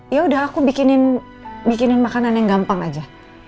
ya udah aku bikinin makanan yang gampang aja